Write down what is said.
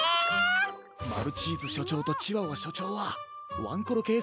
マルチーズしょちょうとチワワしょちょうはワンコロけいさつ